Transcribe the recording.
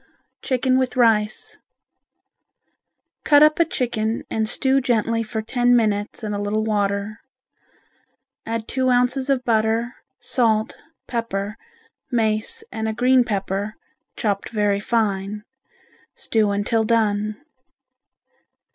Chicken with Rice Cut up a chicken and stew gently for ten minutes in a little water. Add two ounces of butter, salt, pepper, mace and a green pepper, chopped very fine, stew until done.